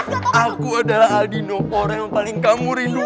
eh aku adalah adi noor yang paling kamu rindu